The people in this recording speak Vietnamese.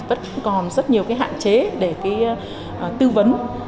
vẫn còn rất nhiều cái hạn chế để cái tư vấn